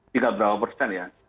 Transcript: tiga berapa persen ya